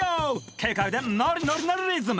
軽快でノリノリなリズム！